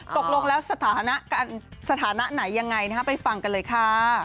ตกลงแล้วสถานะสถานะไหนยังไงไปฟังกันเลยค่ะ